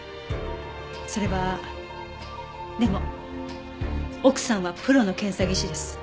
それはでも奥さんはプロの検査技師です。